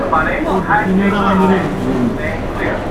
Ur d-ufin ara amrig n tejrimt.